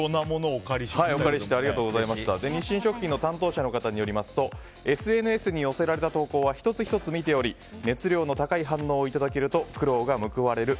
日清食品の担当者の方によりますとＳＮＳに寄せられた投稿は一つ一つ見ており熱量の高い反応をいただけると苦労が報われる。